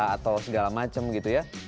atau segala macam gitu ya